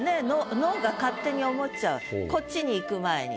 脳が勝手に思っちゃうこっちにいく前に。